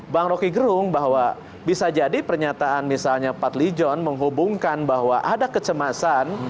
bang roky gerung bahwa bisa jadi pernyataan misalnya padli john menghubungkan bahwa ada kecemasan